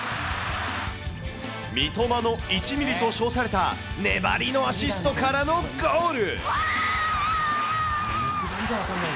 三笘の１ミリと称された粘りのアシストからのゴール。